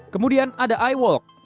kemudian ada i walk